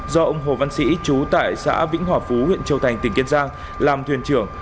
do ông hồ văn sĩ trú tại xã vĩnh hòa phú huyện châu thành tỉnh kiên giang làm thuyền trưởng